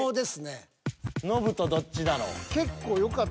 ノブとどっちだろう？